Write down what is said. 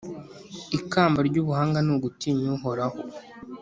Ikamba ry’ubuhanga ni ugutinya Uhoraho,